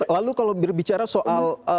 lalu kalau berbicara soal